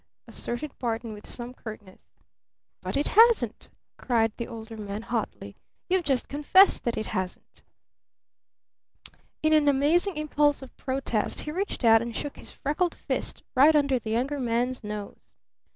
asserted Barton with some curtness. "But it hasn't!" cried the Older Man hotly. "You've just confessed that it hasn't!" In an amazing impulse of protest he reached out and shook his freckled fist right under the Younger Man's nose.